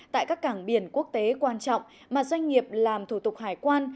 tại các cảng biển quốc tế quan trọng mà doanh nghiệp làm thủ tục hải quan